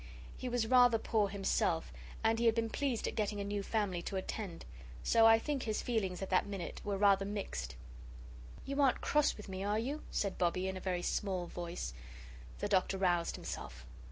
He was rather poor himself, and he had been pleased at getting a new family to attend. So I think his feelings at that minute were rather mixed. "You aren't cross with me, are you?" said Bobbie, in a very small voice. The Doctor roused himself.